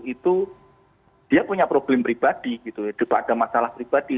itu dia punya problem pribadi gitu ada masalah pribadi